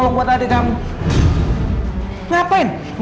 bagaimana kann jaga pokoknya lawan gue